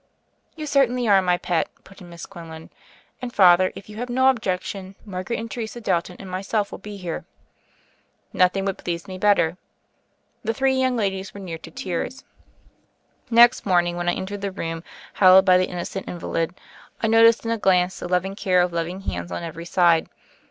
"You certainly are, my pet," put in Miss Quinlan. "And, Father, if you have no objec tion, Margaret and Teresa Dalton and myself will be here." "Nothing would please me better." The three young ladies were near to tears. Next morning, when I entered the room, hal lowed by the innocent invalid, I noticed in a glance the loving care of loving hands on every side.